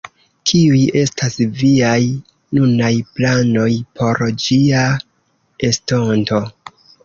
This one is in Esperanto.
Kiuj estas viaj nunaj planoj por ĝia estonto?